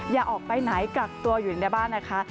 อย่าออกไปไหนกักตัวอยู่ในบ้านนะคะ